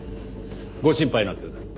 ご心配なく。